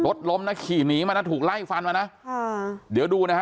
รถล้มนะขี่หนีมานะถูกไล่ฟันมานะค่ะเดี๋ยวดูนะฮะ